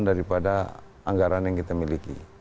daripada anggaran yang kita miliki